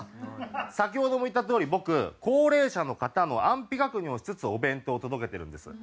先ほども言ったとおり僕高齢者の方の安否確認をしつつお弁当を届けてるんです。